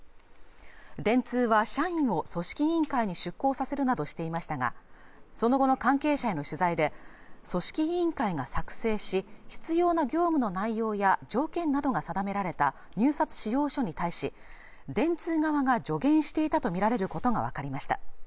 電通は社員を組織委員会に出向させるなどしていましたがその後の関係者への取材で組織委員会が作成し必要な業務の内容や条件などが定められた入札仕様書に対し電通側が助言していたとみられることが分かりました